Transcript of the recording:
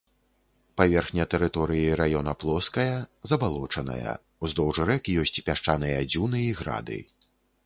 Паверхня тэрыторыі раёна плоская, забалочаная, уздоўж рэк ёсць пясчаныя дзюны і грады.